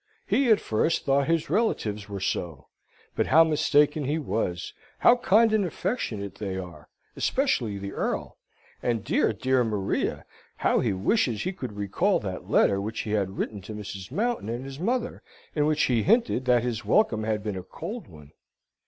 He at first thought his relatives were so: but how mistaken he was! How kind and affectionate they are, especially the Earl, and dear, dear Maria! How he wishes he could recall that letter which he had written to Mrs. Mountain and his mother, in which he hinted that his welcome had been a cold one!